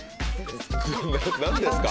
何ですか？